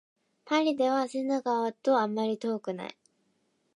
パリではセーヌ川とあまり遠くない